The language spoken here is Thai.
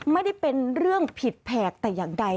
ไม่ได้เป็นเรื่องผิดแผกแต่อย่างใด